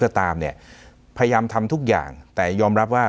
ก็ตามเนี่ยพยายามทำทุกอย่างแต่ยอมรับว่า